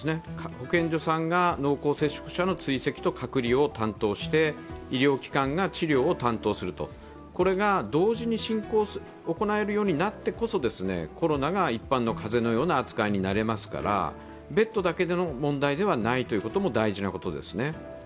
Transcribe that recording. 保健所さんが濃厚追跡者の追跡と隔離をして医療機関が治療を担当する、これが同時に行えるようになってこそコロナが一般の風邪のような扱いになりますから、ベッドだけの問題ではないということも大事なことですね。